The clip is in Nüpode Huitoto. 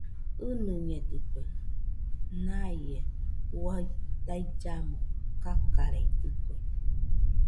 ɨnɨñedɨkue, naie juaɨ taillamo kakareidɨkue